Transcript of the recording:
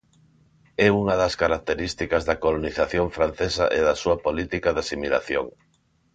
É unha das características da colonización francesa e da súa política de asimilación.